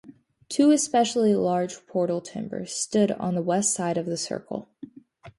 Two especially large portal timbers stood on the west side of the circle.